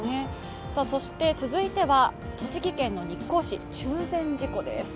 そして、続いては栃木県の日光市、中禅寺湖です。